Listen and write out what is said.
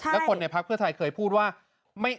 และคนในพักเพื่อไทยเคยพูดว่า